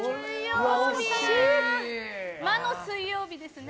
魔の水曜日ですね。